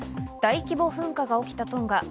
大規模噴火が起きたトンガ。